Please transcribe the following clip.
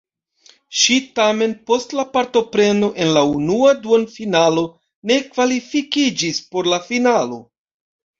Ŝi tamen post la partopreno en la unua duonfinalo ne kvalifikiĝis por la finalo.